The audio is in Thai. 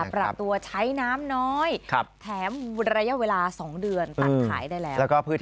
ปรับตัวใช้น้ำน้อยแถมระยะเวลา๒เดือนตัดขายได้แล้ว